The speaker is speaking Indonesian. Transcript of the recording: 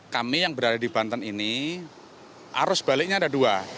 kami yang berada di banten ini arus baliknya ada dua